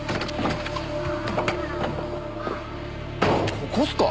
ここっすか？